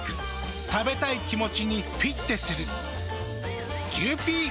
食べたい気持ちにフィッテする。